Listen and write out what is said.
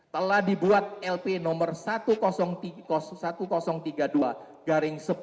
telah dibuat lp nomor seribu tiga puluh dua garing sebelas